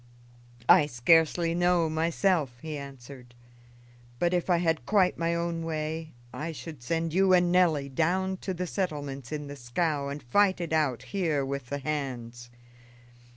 "I scarcely know, myself," he answered; "but, if I had quite my own way, I should send you and Nelly down to the settlements in the scow and fight it out here with the hands."